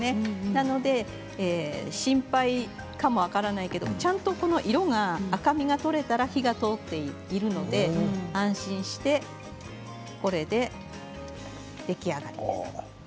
なので、心配かも分からないけれどちゃんと色が赤みが取れたら火が通っているので安心してこれで出来上がりです。